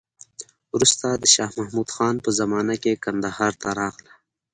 وروسته د شا محمود خان په زمانه کې کندهار ته راغله.